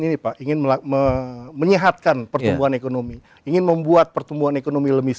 ini pak ingin menyehatkan pertumbuhan ekonomi ingin membuat pertumbuhan ekonomi lebih